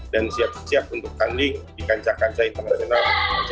dan siap siap untuk tanding di kancah kancah internasional